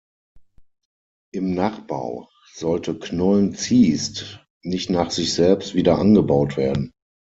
Im Nachbau sollte Knollen-Ziest nicht nach sich selbst wieder angebaut werden.